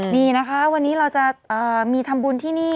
นี่นะคะวันนี้เราจะมีทำบุญที่นี่